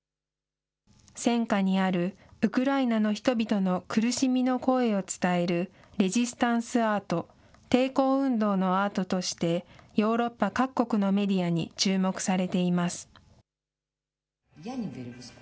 戦禍にあるウクライナの人々の苦しみの声を伝えるレジスタンスアート・抵抗運動のアートとしてヨーロッパ各国のメディアに注目されています。